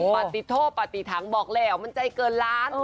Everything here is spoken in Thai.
ปฏิโทษปฏิถังบอกแล้วมันใจเกินล้าน